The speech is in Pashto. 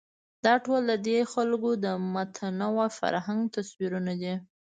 دا ټول ددې خلکو د متنوع فرهنګ تصویرونه دي.